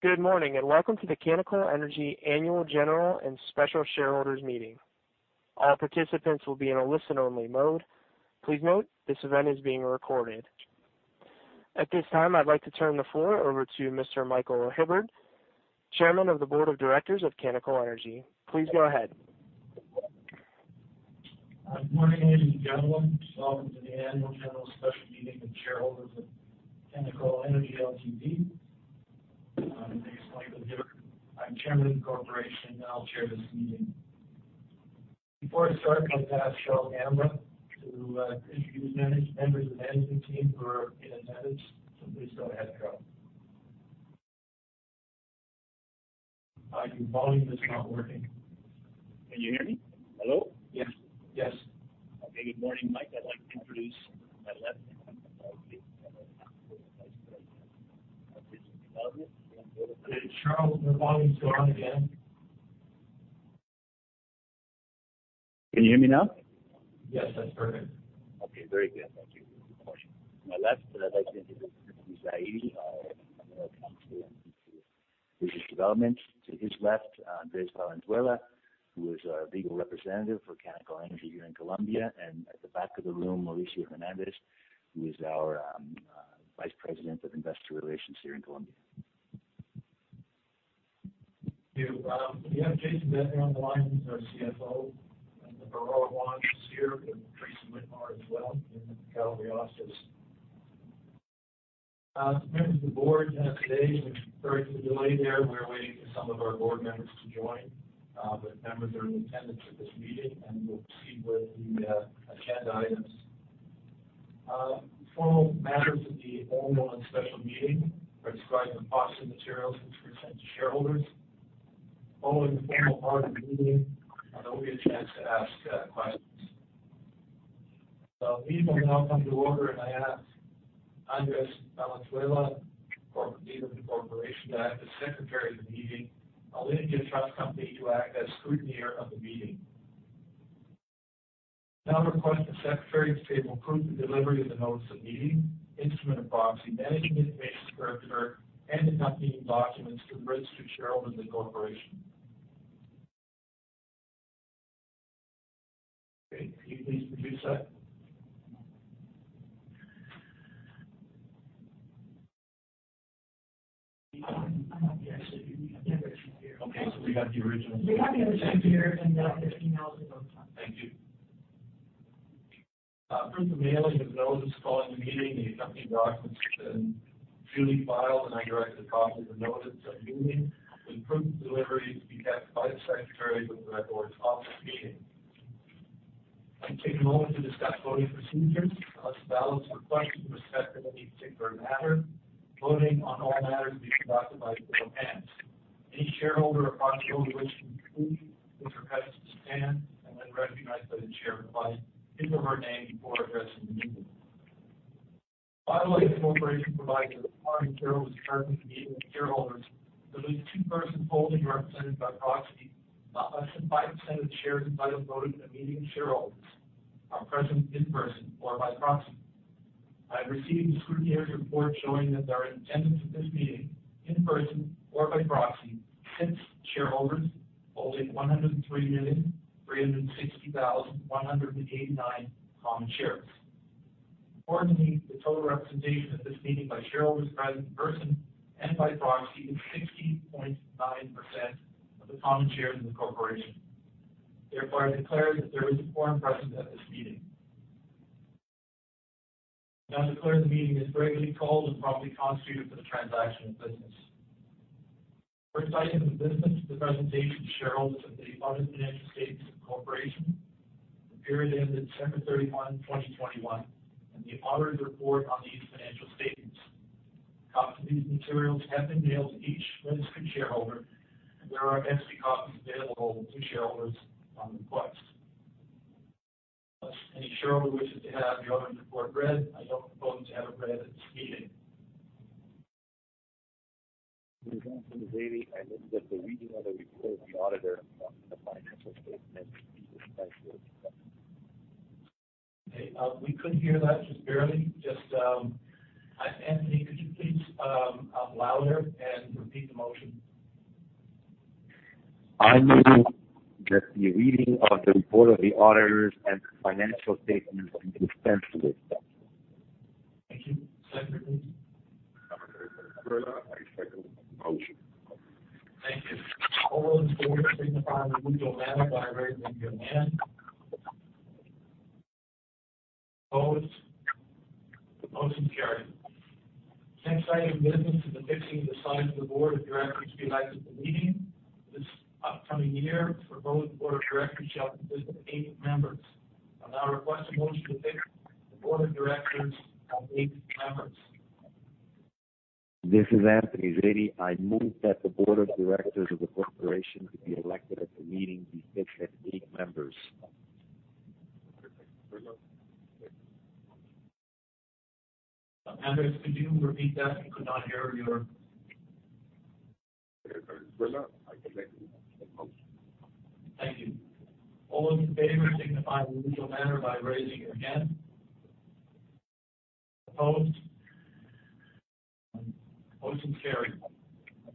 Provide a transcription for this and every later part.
Good morning and welcome to the Canacol Energy annual general and special shareholders meeting. All participants will be in a listen-only mode. Please note, this event is being recorded. At this time, I'd like to turn the floor over to Mr. Michael Hibberd, Chairman of the Board of Directors of Canacol Energy. Please go ahead. Good morning, ladies and gentlemen. Welcome to the annual general special meeting of shareholders of Canacol Energy Ltd. For those who are unfamiliar, I'm Chairman of the Corporation, and I'll chair this meeting. Before I start, I'll pass to Charle Gamba to introduce members of the management team who are in attendance. Please go ahead, Charle. Your volume is not working. Can you hear me? Hello? Yes. Okay. Good morning, Mike. I'd like to introduce my left. Charle, your volume's gone again. Can you hear me now? Yes, that's perfect. Very good. Thank you. On my left, I'd like to introduce Anthony Zaidi, our Vice President of Business Development. To his left, Andrés Valenzuela Pachón, who is our Legal Representative for Canacol Energy here in Colombia. At the back of the room, Mauricio Hernández, who is our Vice President of Investor Relations here in Colombia. Thank you. We have Jason Bednar on the line, who's our CFO, and then Aurora Juan is here with Tracy Whitmore as well in the Calgary office. As members of the board today, we apologize for the delay there. We were waiting for some of our board members to join. Members are in attendance at this meeting, and we'll proceed with the agenda items. Formal matters of the Annual and Special Meeting are described in the proxy materials which were sent to shareholders. Following the formal part of the meeting, there will be a chance to ask questions. The meeting will now come to order. I ask Andrés Valenzuela, Corporate Legal of the Corporation, to act as Secretary of the meeting, and Alliance Trust Company to act as Scrutineer of the meeting. I now request the Secretary to prove the delivery of the notice of meeting, instrument of proxy, Management Information Circular, and the company documents to the registered shareholders of the corporation. Okay, can you please produce that? I have the actual. Okay, we got the original. We got the original here, and the others emailed the vote count. Thank you. Proof of mailing of notice calling the meeting and the accompanying documents have been duly filed, and I direct the copy of the notice of meeting with proof of delivery to be kept by the Secretary with the records of this meeting. Let me take a moment to discuss voting procedures. Unless the ballot is requested with respect to any particular matter, voting on all matters will be conducted by a show of hands. Any shareholder or proxy holder wishing to vote is requested to stand and then recognized by the chairperson by his or her name before addressing the meeting. By the way, the corporation provides that upon a quorum of shareholders currently meeting with shareholders, at least two persons holding or represented by proxy, not less than 5% of the shares entitled to vote at the meeting of shareholders are present in person or by proxy. I have received the scrutineer's report showing that there are in attendance at this meeting, in person or by proxy, six shareholders holding 103,360,189 common shares. Accordingly, the total representation at this meeting by shareholders present in person and by proxy is 60.9% of the common shares in the corporation. Therefore, I declare that there is a quorum present at this meeting. Now I declare the meeting is regularly called and properly constituted for the transaction of business. The first item of business is the presentation to shareholders of the audited financial statements of the corporation for the period ended December 31, 2021, and the auditor's report on these financial statements. Copies of these materials have been mailed to each registered shareholder, and there are extra copies available to shareholders on request. Unless any shareholder wishes to have the auditor's report read, I don't propose to have it read at this meeting. This is Anthony Zaidi. I move that the reading of the report of the auditor on the financial statements be dispensed with. Okay. We could hear that just barely. Anthony, could you please speak up louder and repeat the motion? I move that the reading of the report of the auditors and the financial statements be dispensed with. Thank you. Second, please. Andrés Valenzuela Pachón. I second that motion. Thank you. All in favor, signify by waving your hand. Opposed? The motion carried. The next item of business is the fixing of the size of the Board of Directors to be elected at the meeting. This upcoming year for the Board of Directors shall consist of eight members. I now request a motion to fix the Board of Directors at eight members. This is Anthony Zaidi. I move that the Board of Directors of the corporation to be elected at the meeting be fixed at eight members. Andrés Valenzuela. Second the motion. Andrés, could you repeat that? We could not hear you. Andrés Valenzuela. I second the motion. Thank you. All in favor, signify in the usual manner by raising your hand. Opposed? Motion carried.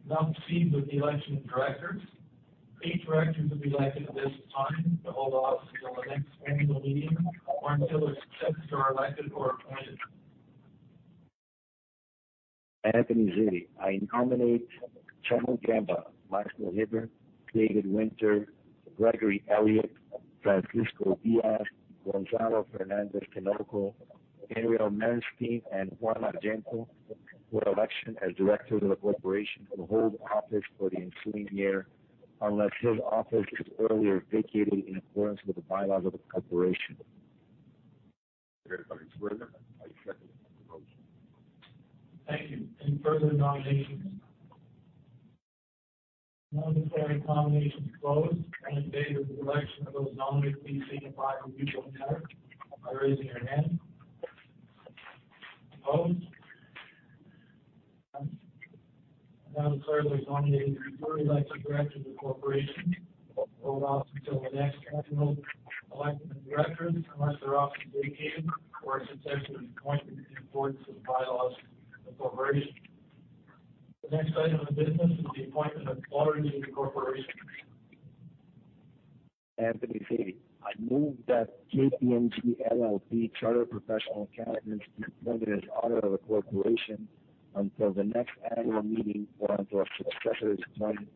Now proceed with the election of Directors. Three Directors will be elected at this time to hold office until the next Annual Meeting or until their successors are elected or appointed. Anthony Zaidi. I nominate Charle Gamba, Michael Hibberd, David Winter, Gregory D. Elliott, Francisco Diaz, Gonzalo Fernández-Tinoco, Ariel Merenstein, and Juan Argento for election as Directors of the Corporation to hold office for the ensuing year, unless his office is earlier vacated in accordance with the Bylaws of the Corporation. Andrés Valenzuela. I second the motion. Thank you. Any further nominations? Nominations closed. All in favor of the election of those nominated, please signify by usual manner by raising your hand. Opposed? None. I now declare those nominated and duly elected Directors of the Corporation, hold office until the next annual election of Directors, unless their office is vacated or a successor is appointed in accordance with the Bylaws of the Corporation. The next item of business is the appointment of Auditors of the Corporation. Anthony Zaidi. I move that KPMG LLP Chartered Professional Accountants be appointed as auditor of the corporation until the next annual meeting or until a successor is appointed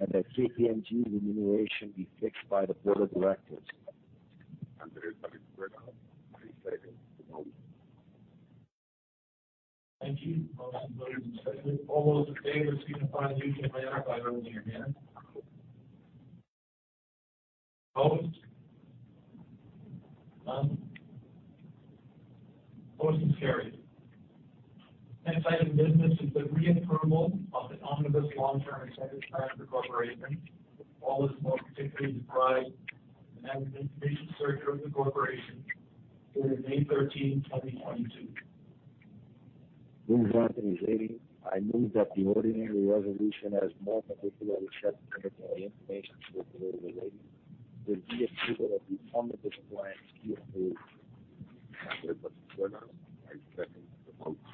and that KPMG's remuneration be fixed by the Board of Directors. Andrés Valenzuela Pachón, I second the motion. Thank you. Motion noted and seconded. All those in favor, signify by usual manner by raising your hand. Opposed? None. Motion carried. Next item of business is the reapproval of the Omnibus Long-Term Incentive Plan of the corporation. All is more particularly described in the Management Information Circular of the corporation dated May 13, 2022. This is Anthony Zaidi. I move that the ordinary resolution as more particularly set forth in the Management Information Circular dated the reapproval of the Omnibus Plan be approved. Andrés. I second the motion.